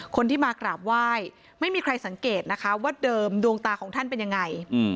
คนที่มากราบไหว้ไม่มีใครสังเกตนะคะว่าเดิมดวงตาของท่านเป็นยังไง